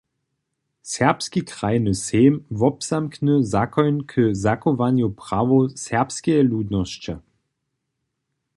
Sakski krajny sejm wobzamkny zakoń k zachowanju prawow serbskeje ludnosće.